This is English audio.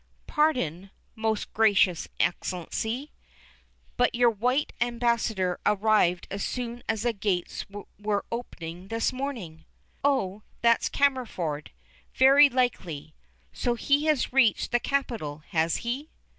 "Pardon, most Gracious Excellency, but your white ambassador arrived as soon as the gates were open this morning." "Our white ambassador! Oh, that's Cammerford, very likely. So he has reached the capital, has he?"